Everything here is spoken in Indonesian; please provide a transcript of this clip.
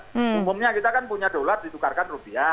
umumnya kita kan punya dolar ditukarkan rupiah